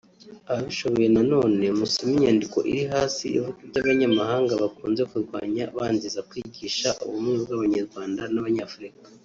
Ababishoboye nanone musome inyandiko iri hasi ivuga iby’abanyamahanga bakunze kundwanya banziza kwigisha ubumwe bw’abanyarwanda n’abanyafurika